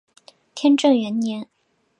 天正元年。